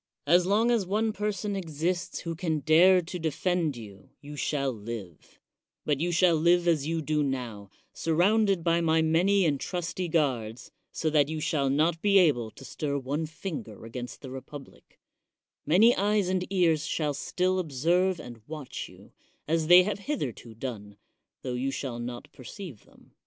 As long as one person exists who can dare to defend you, you shall live ;, but you shall live as you do now, surrounded by my many and trusty guards, so that you shall not be able to stir one finger against the republic ^ many eyes and ears shall still observe and watch you, as they have hitherto done, tho you shall not perceive them.